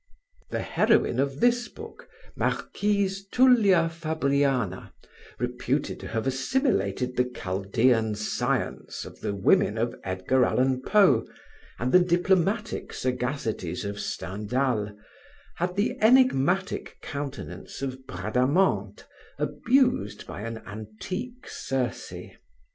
The heroine of this book, Marquise Tullia Fabriana, reputed to have assimilated the Chaldean science of the women of Edgar Allen Poe, and the diplomatic sagacities of Stendhal, had the enigmatic countenance of Bradamante abused by an antique Circe.